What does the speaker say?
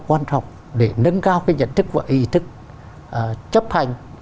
quan trọng để nâng cao cái nhận thức và ý thức chấp hành